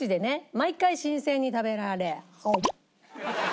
毎回新鮮に食べられる。